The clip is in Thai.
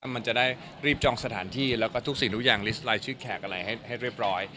มันจะได้รีบจองสถานที่แล้วก็ทุกสิ่งทุกอย่างลิสไลน์ชื่อแขกอะไรให้เรียบร้อย